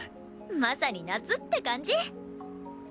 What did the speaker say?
まさに夏って感じ。